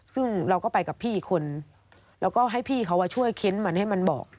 ซึ่งเราก็ไปกับพี่อีกคนแล้วก็ให้พี่เขาช่วยเค้นมันให้มันบอก